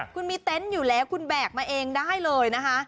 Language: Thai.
คุณมีเต็นต์อยู่แล้วคุณแบกมาเองได้เลยนะคะ